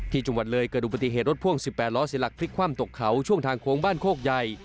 ที่จังหวัดเลยเกิดอุบัติเหตุรถพ่วง๑๘ล้อเสียหลักพลิกคว่ำตกเขาช่วงทางโค้งบ้านโคกใหญ่